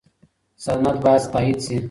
سند باید تایید شي.